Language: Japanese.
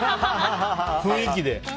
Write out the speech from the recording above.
雰囲気で。